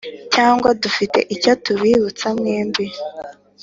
cyangwa dufite icyo tubibutsa mwembi.